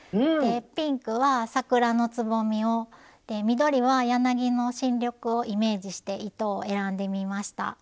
でピンクは桜のつぼみを緑は柳の新緑をイメージして糸を選んでみました。